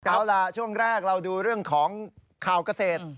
เอาล่ะช่วงแรกเราดูเรื่องของข่าวเกษตร